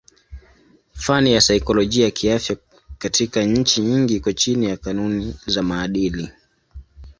Fani ya saikolojia kiafya katika nchi nyingi iko chini ya kanuni za maadili.